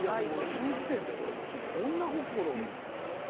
その時点で俺もう女心。